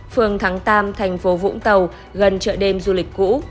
phường thắng tam thành phố vũng tàu gần chợ đêm du lịch cũ